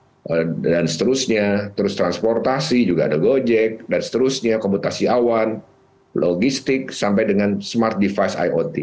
lifestyle on demand service ada gofood dan seterusnya terus transportasi juga ada gojek dan seterusnya komputasi awan logistik sampai dengan smart device iot